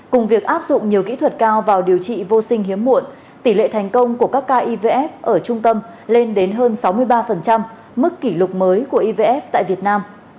cùng việc áp dụng nhiều kỹ thuật cao vào điều trị vô sinh hiếm muộn tỷ lệ thành công của các ca ivf ở trung tâm lên đến hơn sáu mươi ba mức kỷ lục mới của ivf tại việt nam